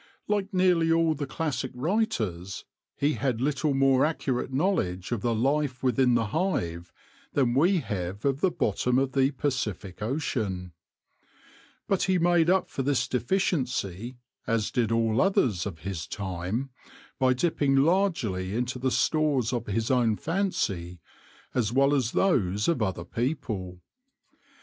Like nearly all the classic writers, he had little more accurate knowledge of the life within the hive than we have of the bottom of the Pacific Ocean. But he made up for this deficiency, as did all others of his time, by dipping largely into the stores of his own fancy as well as those of other people.